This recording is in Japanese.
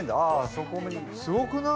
すごくない？